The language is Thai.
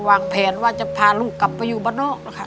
วางแผนว่าจะพาลูกกลับไปอยู่บ้านนอกนะคะ